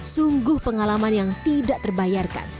sungguh pengalaman yang tidak terbayarkan